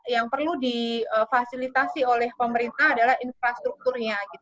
yang perlu difasilitasi oleh pemerintah adalah infrastrukturnya